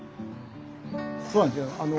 そうなんですよ。